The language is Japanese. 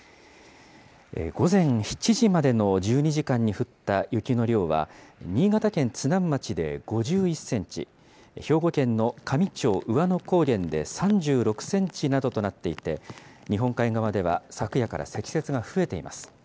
午前７時までの１２時間に降った雪の量は、新潟県津南町で５１センチ、兵庫県の香美町兎和野高原で３６センチなどとなっていて、日本海側では昨夜から積雪が増えています。